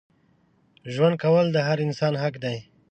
ژوند کول د هر انسان حق دی.